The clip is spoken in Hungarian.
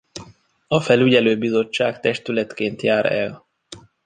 A Felügyelő Bizottság testületként jár el.